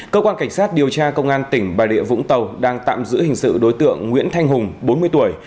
cơ quan cảnh sát điều tra công an tỉnh bà rịa vũng tàu đang tạm giữ hình sự đối tượng nguyễn thanh hùng bốn mươi tuổi